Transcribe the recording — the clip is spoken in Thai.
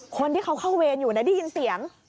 คนที่เขาเข้าเวรอยู่นะได้ยินเสียง